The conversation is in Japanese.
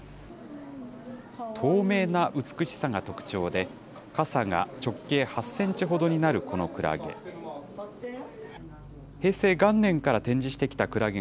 透明な美しさが特徴で、かさが直径８センチほどになるこのクラゲ。